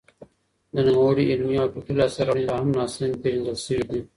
د نوموړي علمي او فکري لاسته راوړنې لا هم ناسمې پېژندل شوې دي.